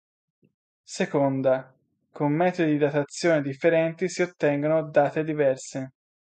Seconda: con metodi di datazione differenti si ottengono date diverse.